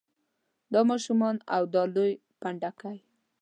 دا ماشومان او دا لوی پنډکی.